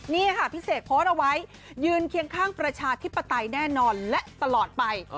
นี่ค่ะพี่เสกโพสต์เอาไว้ยืนเคียงข้างประชาธิปไตยแน่นอนและตลอดไป